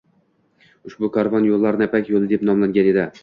Ushbu karvon yoʻllarini „ipak yoʻli“ deb nomlagan edi